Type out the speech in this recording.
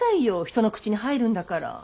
人の口に入るんだから。